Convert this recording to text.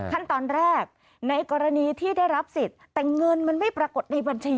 ขั้นตอนแรกในกรณีที่ได้รับสิทธิ์แต่เงินมันไม่ปรากฏในบัญชี